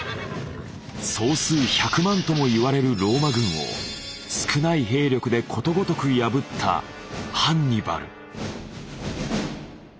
総数１００万とも言われるローマ軍を少ない兵力でことごとく破ったハンニバル。